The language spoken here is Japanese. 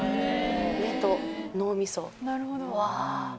目と脳みそうわ。